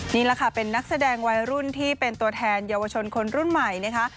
นี่แหละค่ะเป็นนักแสดงวัยรุ่นที่เป็นตัวแทนเยาวชนคนรุ่นใหม่นะคะ